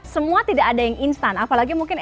semua tidak ada yang instan apalagi mungkin